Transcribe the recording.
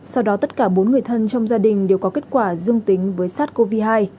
sau đó tất cả bốn người thân trong gia đình đều có kết quả dương tính với sars cov hai